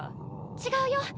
違うよ。